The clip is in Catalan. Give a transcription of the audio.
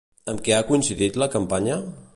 Amb què ha coincidit la campanya?